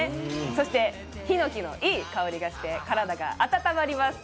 そしてひのきのいい香りがして体が温まります。